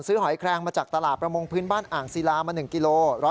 หอยแครงมาจากตลาดประมงพื้นบ้านอ่างศิลามา๑กิโล